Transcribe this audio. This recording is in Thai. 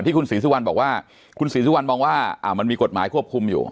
คุณศรีสุวรรณบอกว่าคุณศรีสุวรรณมองว่ามันมีกฎหมายควบคุมอยู่